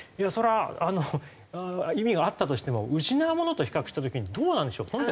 そりゃ意味があったとしても失うものと比較した時にどうなんでしょう？